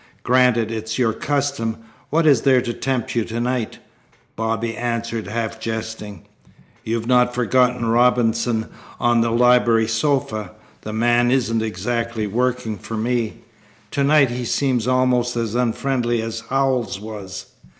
"Granted it's your custom, what is there to tempt you to night?" Bobby answered, half jesting: "You've not forgotten Robinson on the library sofa. The man isn't exactly working for me. Tonight he seems almost as unfriendly as Howells was."